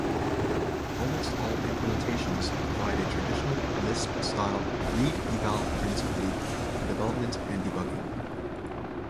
Almost all implementations provide a traditional Lisp-style read-eval-print loop for development and debugging.